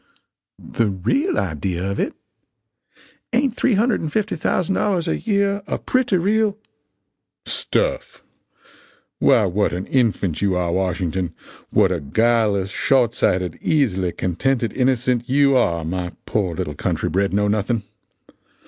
"The real idea of it! Ain't $350,000 a year a pretty real " "Stuff! Why what an infant you are, Washington what a guileless, short sighted, easily contented innocent you are, my poor little country bred know nothing!